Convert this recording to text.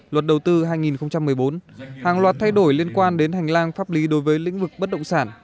luật đầu tư hai nghìn một mươi bốn hàng loạt thay đổi liên quan đến hành lang pháp lý đối với lĩnh vực bất động sản